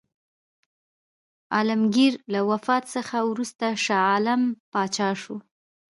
عالمګیر له وفات څخه وروسته شاه عالم پاچا شو.